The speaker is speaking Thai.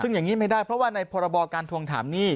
ซึ่งอย่างนี้ไม่ได้เพราะว่าในพรบการทวงถามหนี้